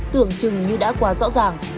tưởng chừng như đã quá rõ ràng